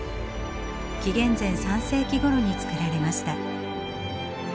紀元前３世紀ごろに作られました。